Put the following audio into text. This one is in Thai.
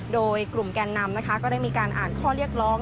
โดยกลุ่มแกนนำนะคะก็ได้มีการอ่านข้อเรียกร้อง